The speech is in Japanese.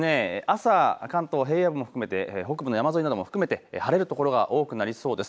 朝、関東平野部も含めて北部の山沿いなども含めて晴れる所が多くなりそうです。